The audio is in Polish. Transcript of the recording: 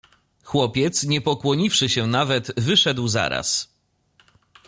"Chłopiec, nie pokłoniwszy się nawet, wyszedł zaraz."